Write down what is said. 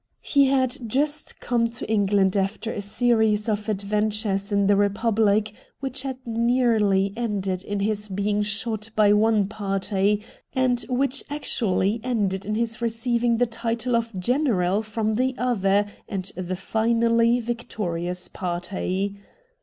He had just come to England after a series of adventures in the Eepublic, which had nearly ended in his being shot by one party, and which actually ended in his receiving the title of General from the other and the finally victorious party.